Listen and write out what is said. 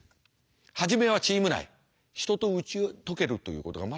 初めはチーム内人と打ち解けるということが全くできない。